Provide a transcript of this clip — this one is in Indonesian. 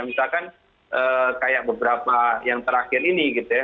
misalkan kayak beberapa yang terakhir ini gitu ya